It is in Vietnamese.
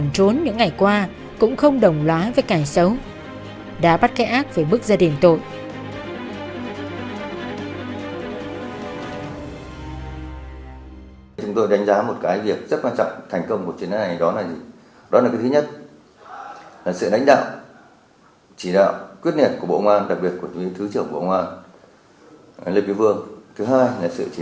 rừng trốn những ngày qua cũng không đồng lá với cài xấu đã bắt cái ác về bức gia đình tội